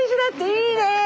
いいね！